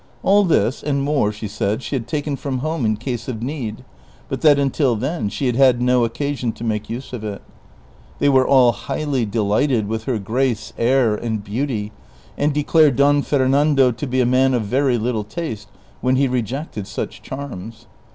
All this, and more, she said, she had taken from home in case of need, but that until then she had had no occasion to make use of it. They were all highly delighted with her grace, air, and beauty, and declared Don Fernando to be a man of very little taste when he re jected such charms.